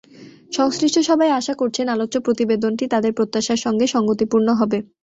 সংশ্লিষ্ট সবাই আশা করছেন, আলোচ্য প্রতিবেদনটি তাঁদের প্রত্যাশার সঙ্গে সংগতিপূর্ণ হবে।